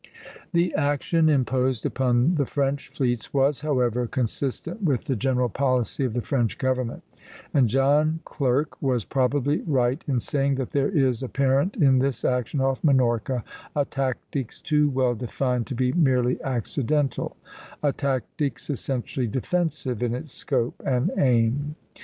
The action imposed upon the French fleets was, however, consistent with the general policy of the French government; and John Clerk was probably right in saying that there is apparent in this action off Minorca a tactics too well defined to be merely accidental, a tactics essentially defensive in its scope and aim.